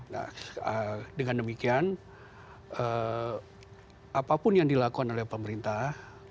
nah dengan demikian apapun yang dilakukan oleh pemerintah